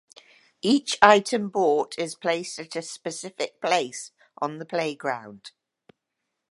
Each item bought is placed at a specific place on the playground.